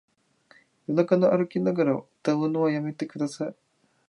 夜中に歩きながら歌うのやめてください